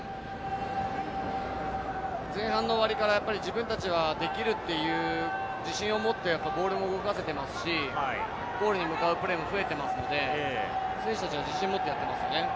前半の終わりから自分たちはできるという自信を持ってボールも動かせてますし、ゴールに向かうプレーも増えていますので、選手たちは自信を持ってやってますよね。